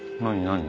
何？